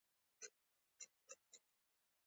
اکبرجان غاړه تازه کړه او په خبرو شو.